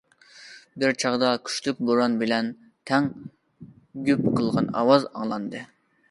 بىر چاغدا كۈچلۈك بوران بىلەن تەڭ‹‹ گۈپ›› قىلغان ئاۋاز ئاڭلاندى.